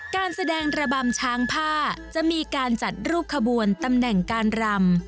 การแสดงระบำช้างผ้าจะมีการจัดรูปขบวนตำแหน่งการรำ